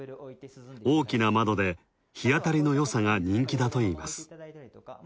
大きな窓で日当たりのよさが人気だといいます。